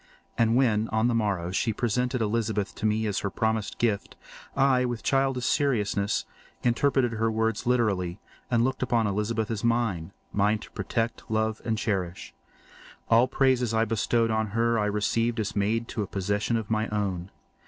And when, on the morrow, she presented Elizabeth to me as her promised gift, I, with childish seriousness, interpreted her words literally and looked upon Elizabeth as mine—mine to protect, love, and cherish. All praises bestowed on her I received as made to a possession of my own.